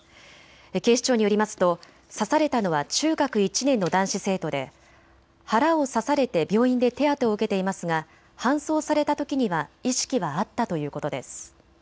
警視庁によりますと刺されたのは中学１年の男子生徒で腹を刺されて病院で手当てを受けていますが搬送されたときには意識はあったということです。